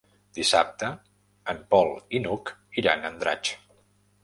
Dissabte en Pol i n'Hug iran a Andratx.